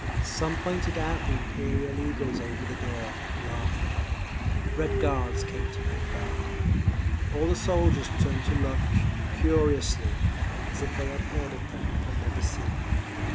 Some pointed out the Imperial eagles over the door, laughing…. Red Guards came to mount guard. All the soldiers turned to look, curiously, as if they had heard of them but never seen them.